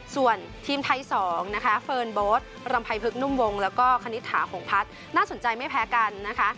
ส่วนทีมไทย๒นะคะเฟิร์นโบ๊ทรำไพพึกนุ่มวงแล้วก็คณิตถาหงพัฒน์น่าสนใจไม่แพ้กันนะคะ